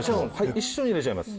一緒に入れちゃいます。